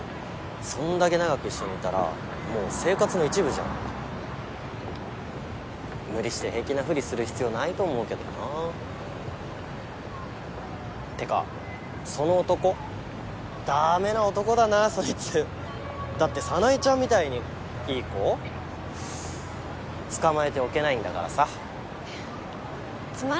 そんだけ長く一緒にいたらもう生活の一部じゃん無理して平気なふりする必要ないと思うけどなてかその男ダメな男だなそいつだって早苗ちゃんみたいにいい子つかまえておけないんだからさいやつまらない女なんですよ